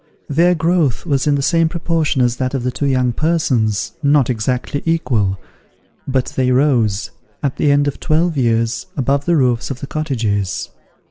Their growth was in the same proportion as that of the two young persons, not exactly equal: but they rose, at the end of twelve years, above the roofs of the cottages.